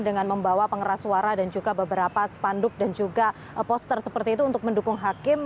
dengan membawa pengeras suara dan juga beberapa spanduk dan juga poster seperti itu untuk mendukung hakim